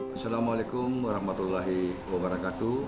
assalamualaikum warahmatullahi wabarakatuh